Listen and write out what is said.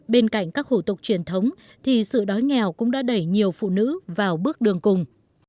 bên cạnh các hủ tục truyền thống thì sự đói nghèo cũng đã đẩy nhiều phụ nữ vào bước đường cùng